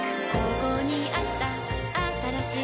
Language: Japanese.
ここにあったあったらしい